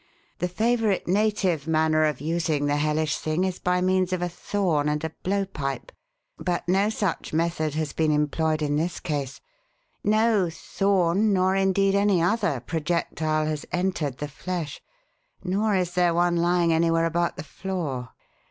The favourite 'native' manner of using the hellish thing is by means of a thorn and a blowpipe. But no such method has been employed in this case. No thorn nor, indeed, any other projectile has entered the flesh, nor is there one lying anywhere about the floor.